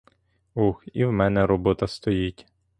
Ох, і в мене робота стоїть.